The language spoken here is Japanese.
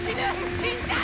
死んじゃう！